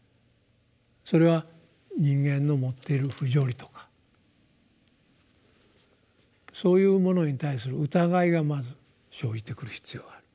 それは人間の持っている不条理とかそういうものに対する疑いがまず生じてくる必要がある。